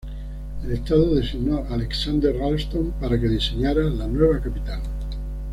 El estado designó a Alexander Ralston para que diseñara la nueva capital.